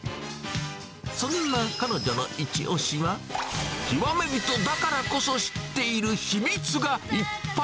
そんな彼女のイチ推しは、極め人だからこそ知っている秘密がいっ